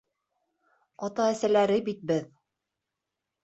Ата-әсәләре бит беҙ.